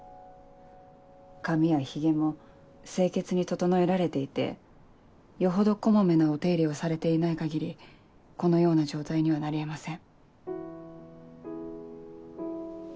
髪やヒゲも清潔に整えられていてよほど小まめなお手入れをされていない限りこのような状態にはなり得ません。